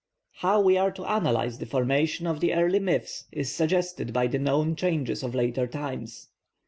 How we are to analyse the formation of the early myths is suggested by the known changes of later times.